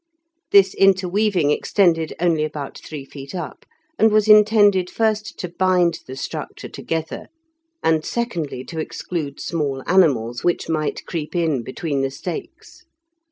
This interweaving extended only about three feet up, and was intended first to bind the structure together, and secondly to exclude small animals which might creep in between the stakes.